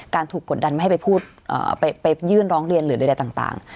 การถูกกดดันไม่ให้ไปพูดเอ่อไปไปยื่นร้องเรียนหรืออะไรต่างต่าง